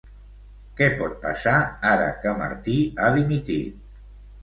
Què pot passar ara que Martí ha dimitit?